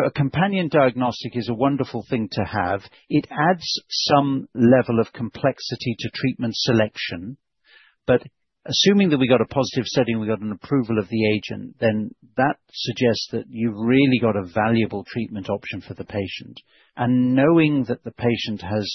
a companion diagnostic is a wonderful thing to have. It adds some level of complexity to treatment selection. Assuming that we got a positive setting, we got an approval of the agent, that suggests that you've really got a valuable treatment option for the patient. Knowing that the patient has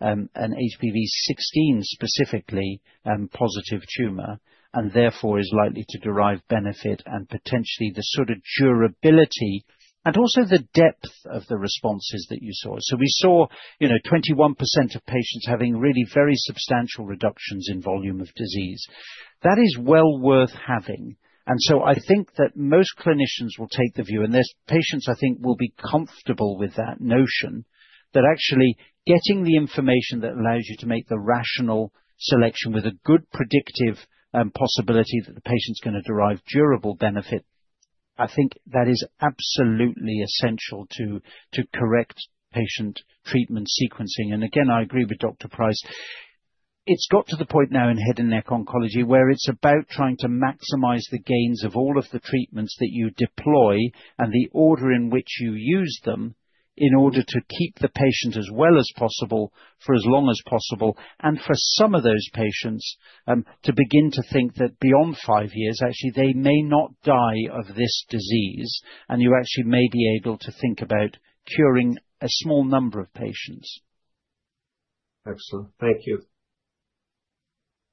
an HPV 16, specifically positive tumor and therefore is likely to derive benefit and potentially the sort of durability and also the depth of the responses that you saw. We saw 21% of patients having really very substantial reductions in volume of disease that is well worth having. I think that most clinicians will take the view and patients, I think, will be comfortable with that notion, that actually getting the information that allows you to make the rational selection with a good predictive possibility that the patient's going to derive durable benefit, I think that is absolutely essential to correct patient treatment sequencing. I agree with Dr. Price. It's got to the point now in head and neck oncology, where it's about trying to maximize the gains of all of the treatments that you deploy and the order in which you use them in order to keep the patient as well as possible for as long as possible. For some of those patients to begin to think that beyond five years, actually they may not die of this disease, and you actually may be able to think about curing a small number of patients. Excellent. Thank you.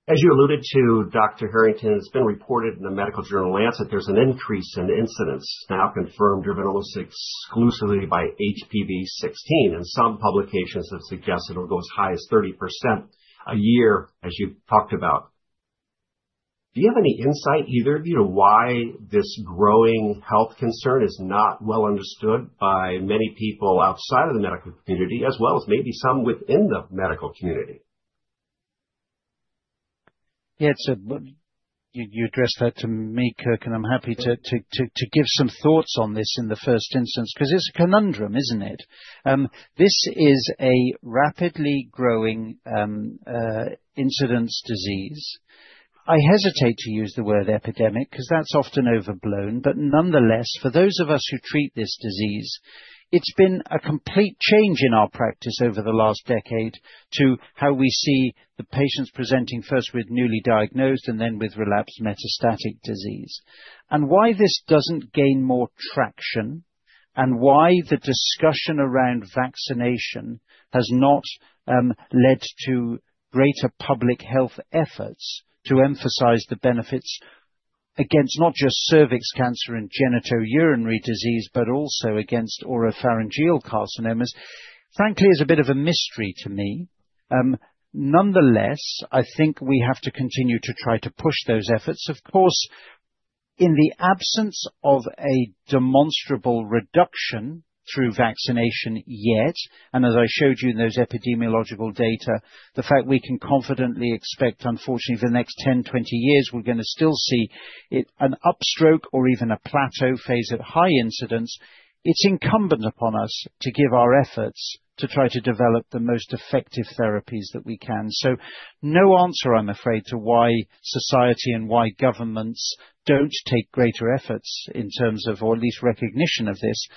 As you alluded to, Dr. Harrington, it's been reported in the medical journal Lancet, there's an increase in incidence now confirmed driven exclusively by HPV 16. And some publications have suggested it will go as high as 30% a year. As you talked about, do you have any insight, either of you, to why this growing health concern is not well understood by many people outside of the medical community, as well as maybe some within the medical community? Yeah, you addressed that to me, Kirk, and I'm happy to give some thoughts on this in the first instance, because it's a conundrum, isn't it? This is a rapidly growing incidence disease. I hesitate to use the word epidemic because that's often overblown. Nonetheless, for those of us who treat this disease, it's been a complete change in our practice over the last decade to how we see the patients presenting first with newly diagnosed and then with relapsed metastatic disease and why this doesn't gain more traction and why the discussion around vaccination has not led to greater public health efforts to emphasize the benefits against not just cervix cancer and genitourinary disease, but also against oropharyngeal carcinomas, frankly, is a bit of a mystery to me. Nonetheless, I think we have to continue to try to push those efforts, of course, in the absence of a demonstrable reduction through vaccination yet, and as I showed you in those epidemiological data, the fact we can confidently expect, unfortunately, for the next 10-20 years we're going to still see an upstroke or even a plateau phase at high incidence. It's incumbent upon us to give our efforts to try to develop the most effective therapies that we can. No answer, I'm afraid, to why society and why governments don't take greater efforts in terms of, or at least recognition of, this.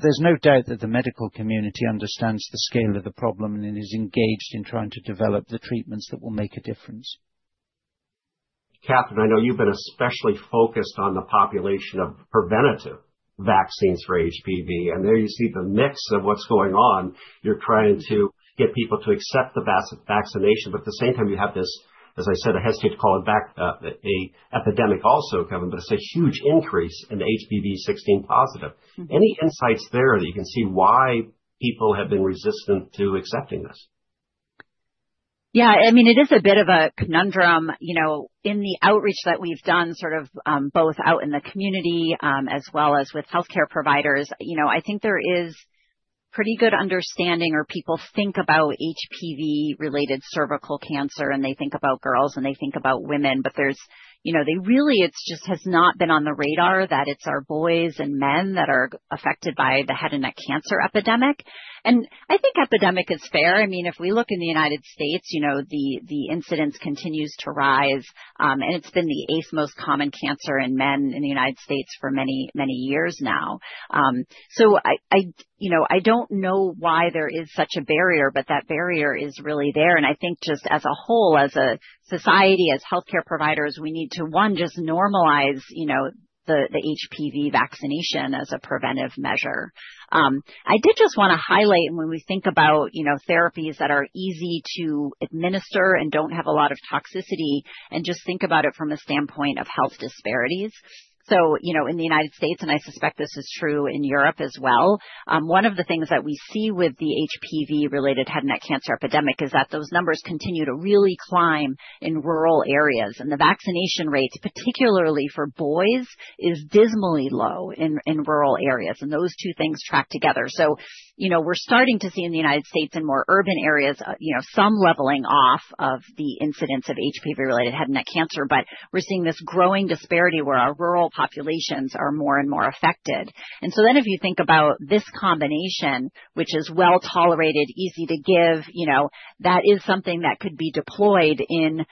There's no doubt that the medical community understands the scale of the problem and is engaged in trying to develop the treatments that will make a difference. Katharine, I know you've been especially focused on the population of preventative vaccines for HPV. And there you see the mix of what's going on. You're trying to get people to accept the vaccination, but at the same time you have this, as I said, I hesitate to call it back a epidemic also, Kevin, but it's a huge increase in HPV 16 positive. Any insights there that you can see why people have been resistant to accepting this? Yeah, I mean it is a bit of a conundrum, you know, in the outreach that we've done, sort of both out in the community as well as with healthcare providers. You know, I think there is pretty good understanding or people think about HPV related cervical cancer and they think about girls and they think about women, but there's, you know, they really, it just has not been on the radar that it's our boys and men that are affected by the head and neck cancer epidemic. I think epidemic is fair. I mean if we look in the United States, you know, the incidence continues to rise and it's been the 8th most common cancer in men in the United States for many, many years now. I don't know why there is such a barrier, but that barrier is really there. I think just as a whole, as a society, as healthcare providers, we need to, one, just normalize the HPV vaccination as a preventive measure. I did just want to highlight when we think about therapies that are easy to administer and do not have a lot of toxicity and just think about it from a standpoint of health disparities. You know, in the United States, and I suspect this is true in Europe as well, one of the things that we see with the HPV-related head and neck cancer epidemic is that those numbers continue to really climb in rural areas and the vaccination rate, particularly for boys, is dismally low in rural areas. Those two things track together. You know, we're starting to see in the United States, in more urban areas, some leveling off of the incidence of HPV-related head and neck cancer. We're seeing this growing disparity where our rural populations are more and more affected. If you think about this combination, which is well tolerated, easy to give, that is something that could be deployed in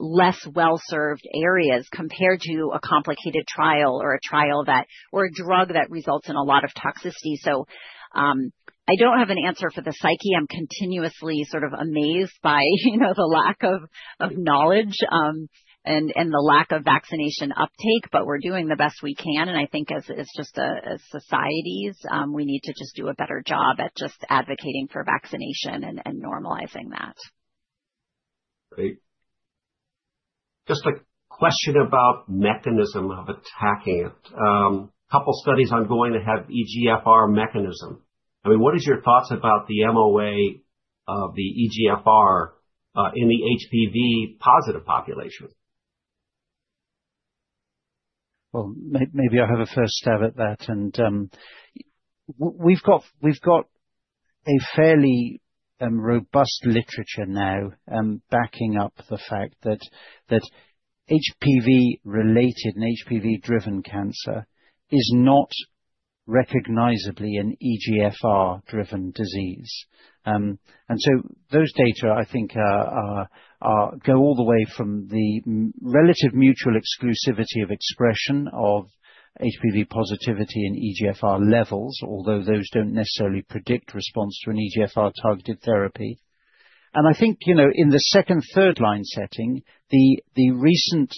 less well served areas compared to a complicated trial or a drug that results in a lot of toxicity. I do not have an answer for the psyche. I'm continuously sort of amazed by the lack of knowledge and the lack of vaccination uptake. We're doing the best we can and I think just as societies we need to do a better job at advocating for vaccination and normalizing that. Great. Just a question about mechanism of attacking it. Couple studies ongoing to have EGFR mechanism. I mean, what is your thoughts about the MOA of the EGFR in the HPV positive population? Maybe I'll have a first stab at that. We've got a fairly robust literature now backing up the fact that HPV related and HPV driven cancer is not recognizably an EGFR driven disease. Those data, I think, go all the way from the relative mutual exclusivity of expression of HPV positivity in EGFR levels, although those do not necessarily predict response to an EGFR targeted therapy. I think, you know, in the second third line setting, the recent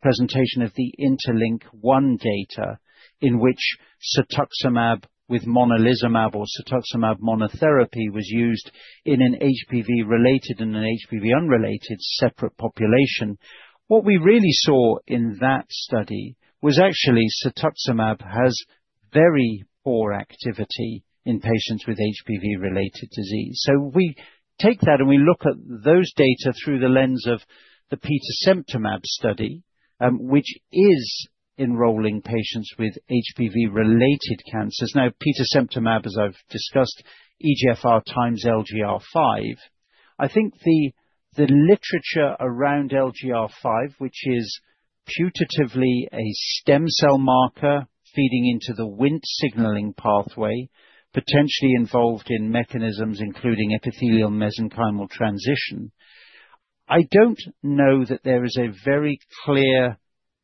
presentation of the INTERLINK-1 data in which cetuximab with monalizumab or cetuximab monotherapy was used in an HPV related and an HPV unrelated separate population. What we really saw in that study was actually cetuximab has very poor activity in patients with HPV related disease. We take that and we look at those data through the lens of the pitasemtamab study, which is enrolling patients with HPV related cancers. Now, pitasemtamab, as I've discussed, EGFR times LGR5, I think the literature around LGR5, which is putatively a stem cell marker feeding into the Wnt signaling pathway, potentially involved in mechanisms including epithelial mesenchymal transition. I don't know that there is a very clear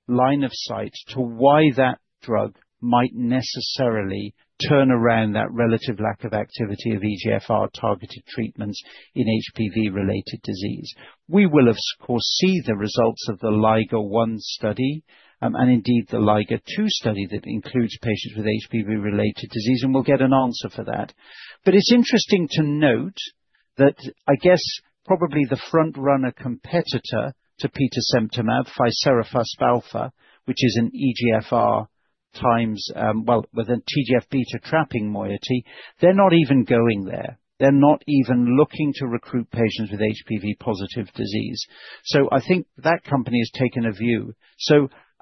line of sight to why that drug might necessarily turn around that relative lack of activity of EGFR targeted treatments in HPV related disease. We will of course see the results of the Liga 1 study and indeed the Liga 2 study that includes patients with HPV related disease and we'll get an answer for that. It is interesting to note that I guess probably the front runner competitor to pitasemtamab, fiserafuspalfa, which is an EGFR times, well, with a TGF beta trapping moiety, they are not even going there. They are not even looking to recruit patients with HPV positive disease. I think that company has taken a view.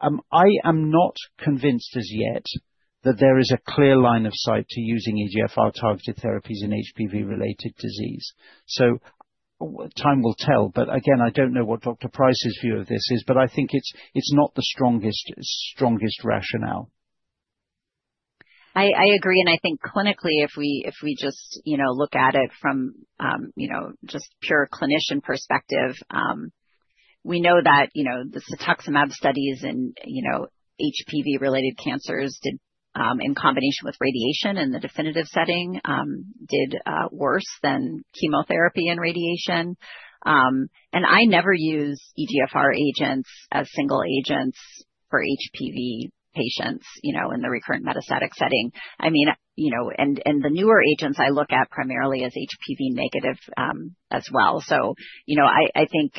I am not convinced as yet that there is a clear line of sight to using EGFR targeted therapies in HPV related disease. Time will tell. Again, I do not know what Dr. Price's view of this is, but I think it is not the strongest rationale. I agree. I think clinically if we just look at it from just pure clinician perspective, we know that the cetuximab studies and HPV related cancers in combination with radiation in the definitive setting did worse than chemotherapy and radiation. I never use EGFR agents as single agents for HPV patients. You know, in the recurrent metastatic setting, I mean, you know, and the newer agents I look at primarily as HPV negative as well. You know, I think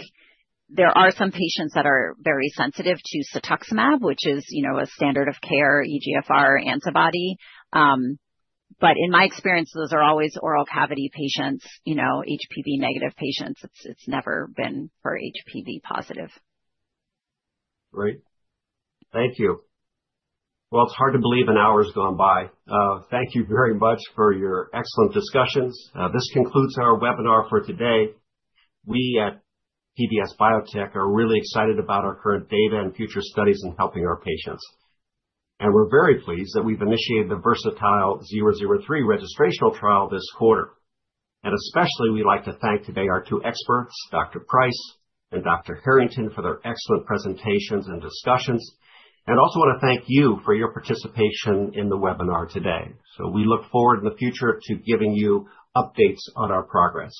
there are some patients that are very sensitive to cetuximab, which is, you know, a standard of care EGFR antibody. In my experience those are always oral cavity patients, you know, HPV negative patients. It's never been for HPV positive. Great, thank you. It's hard to believe an hour has gone by. Thank you very much for your excellent discussions. This concludes our webinar for today. We at PDS Biotech are really excited about our current data and future studies in helping our patients. We are very pleased that we've initiated the VERSATILE-003 registrational trial this quarter. Especially, we'd like to thank today our two experts, Dr. Price and Dr. Harrington, for their excellent presentations and discussions, and also want to thank you for your participation in the webinar today. We look forward in the future to giving you updates on our progress.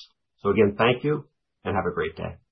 Again, thank you and have a great day.